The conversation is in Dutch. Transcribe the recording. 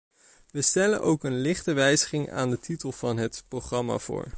We stellen ook een lichte wijziging aan de titel van het programma voor.